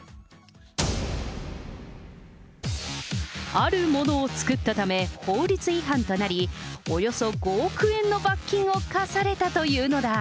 あるものを作ったため、法律違反となり、およそ５億円の罰金を科されたというのだ。